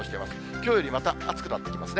きょうよりまた暑くなってきますね。